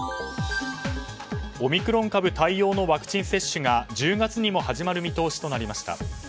オミクロン株対応のワクチン接種が１０月にも始まる見通しとなりました。